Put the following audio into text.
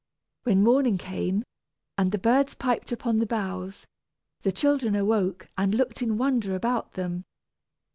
When morning came, and the birds piped upon the boughs, the children awoke and looked in wonder about them.